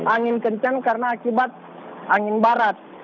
angin kencang karena akibat angin barat